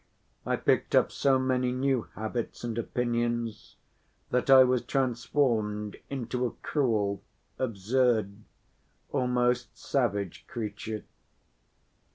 I picked up so many new habits and opinions that I was transformed into a cruel, absurd, almost savage creature.